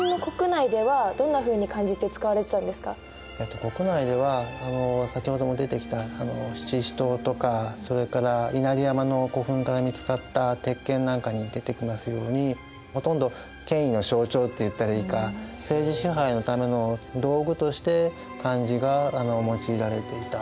ちなみに国内では先ほども出てきた七支刀とかそれから稲荷山の古墳から見つかった鉄剣なんかに出てきますようにほとんど権威の象徴っていったらいいか政治支配のための道具として漢字が用いられていた。